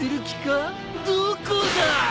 どこだ！